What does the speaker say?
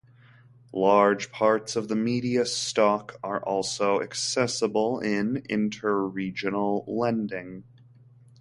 Large parts of the media stock are also accessible in interregional lending.